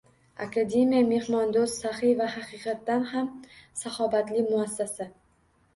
Akademiya mehmondo‘st, saxiy va haqiqatda ham salobatli muassasa